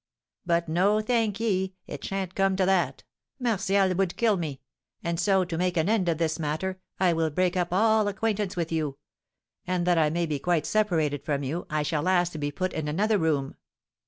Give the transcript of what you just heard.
But no, thank ye, it sha'n't come to that yet, Martial would kill me; and so, to make an end of this matter, I will break up all acquaintance with you; and that I may be quite separated from you, I shall ask to be put in another room.